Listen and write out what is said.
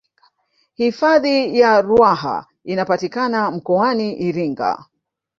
hifadhi ya ruaha inapatikana mkoani iringa